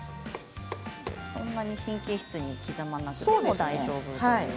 そんなに神経質に刻まなくても大丈夫ですね。